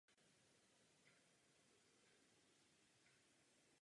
Commodore se v současné době prodává ve čtvrté generaci.